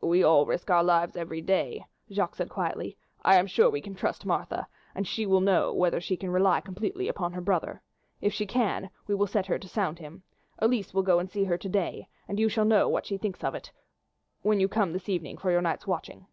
"We all risk our lives every day," Jacques said quietly. "I am sure we can trust Martha, and she will know whether she can rely completely upon her brother. If she can, we will set her to sound him. Elise will go and see her to day, and you shall know what she thinks of it when you come this evening for your night's watching."